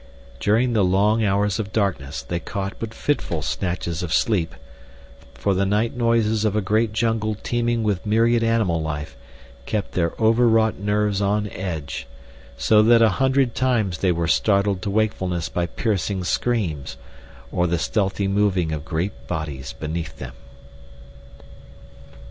During the long hours of darkness they caught but fitful snatches of sleep, for the night noises of a great jungle teeming with myriad animal life kept their overwrought nerves on edge, so that a hundred times they were startled to wakefulness by piercing screams, or the stealthy moving of great bodies beneath them.